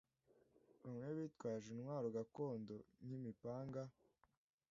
bamwe bitwaje intwaro gakondo nk’imipanga